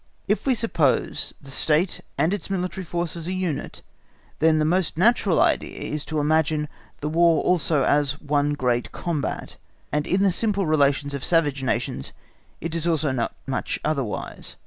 If we suppose the State and its military force as a unit, then the most natural idea is to imagine the War also as one great combat, and in the simple relations of savage nations it is also not much otherwise.